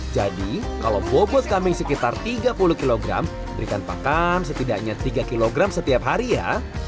jadi kalau bobot kambing sekitar tiga puluh kg berikan pakan setidaknya tiga kg setiap hari ya